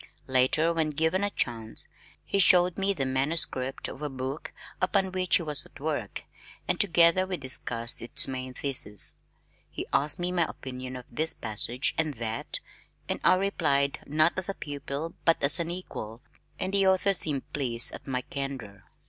Later, when given a chance, he showed me the manuscript of a book upon which he was at work and together we discussed its main thesis. He asked me my opinion of this passage and that and I replied, not as a pupil but as an equal, and the author seemed pleased at my candor.